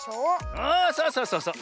あそうそうそうそう。